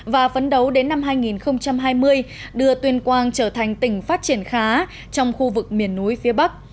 và phấn đấu đến năm hai nghìn hai mươi đưa tuyên quang trở thành tỉnh phát triển khá trong khu vực miền núi phía bắc